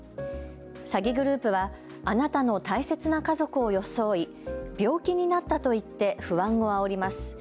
詐欺グループはあなたの大切な家族を装い病気になったと言って不安をあおります。